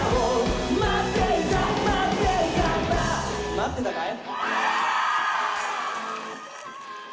待ってたかい？